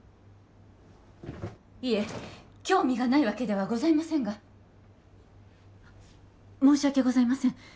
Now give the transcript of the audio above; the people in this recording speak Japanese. いえ興味がないわけではございませんが申し訳ございません